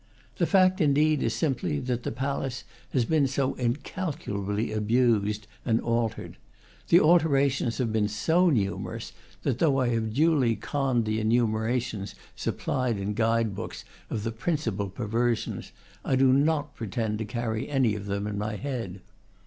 The fact, indeed, is simply that the palace has been so incalculably abused and altered. The alterations have been so numerous that, though I have duly conned the enumerations, supplied in guide books, of the principal perversions, I do not pretend to carry any of them in my head.